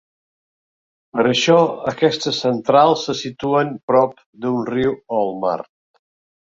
Per això aquestes centrals se situen prop d'un riu o el mar.